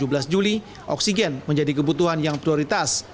kebetulan oksigen menjadi kebutuhan yang prioritas